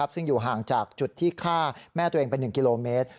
ซึ่งอยู่ห่างจากจุดที่ฆ่าแม่ตัวเองเป็น๑กิโลเมตร